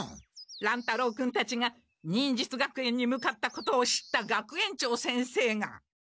乱太郎君たちが忍術学園に向かったことを知った学園長先生が。